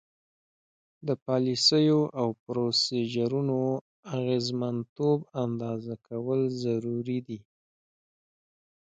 د پالیسیو او پروسیجرونو اغیزمنتوب اندازه کول ضروري دي.